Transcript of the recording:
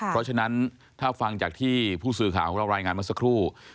เพราะฉะนั้นถ้าฟังจากที่ผู้สื่อข่าวของเรารายงานมาสักครู่